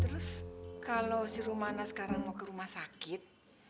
terus kalau si rumana sekarang mau ke rumah sakit